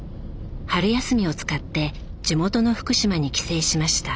春休みを使って地元の福島に帰省しました。